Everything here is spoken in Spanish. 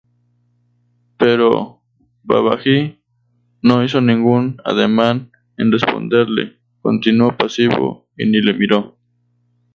Pero Babaji, no hizo ningún ademán en responderle, continuó pasivo y ni le miró.